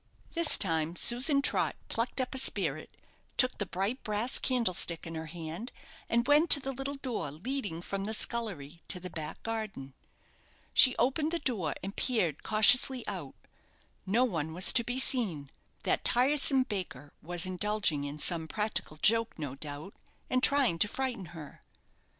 This time Susan Trott plucked up a spirit, took the bright brass candlestick in her hand, and went to the little door leading from the scullery to the back garden. She opened the door and peered cautiously out. No one was to be seen that tiresome baker was indulging in some practical joke, no doubt, and trying to frighten her.